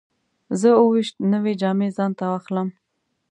زه اووه ویشت نوې جامې ځان ته واخلم.